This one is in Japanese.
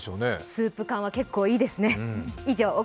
スープ缶は結構いいですね。